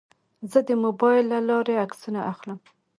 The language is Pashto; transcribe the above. زه د موبایل له لارې عکسونه اخلم.